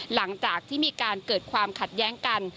หลังจากที่มีการเกิดความขัดแย้งกัน